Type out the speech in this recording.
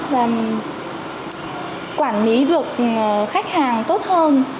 và quản lý được khách hàng tốt hơn